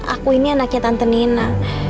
aku ini anaknya tante nina